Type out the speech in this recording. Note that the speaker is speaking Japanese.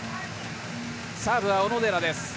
サーブは小野寺です。